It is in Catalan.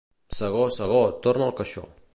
Segó, segó, torna al caixó.